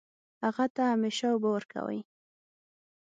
هغه ته همیشه اوبه ورکوئ